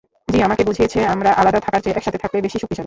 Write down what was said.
যী আমাকে বুঝিয়েছে, আমরা আলাদা থাকার চেয়ে একসাথে থাকলেই বেশি শক্তিশালী।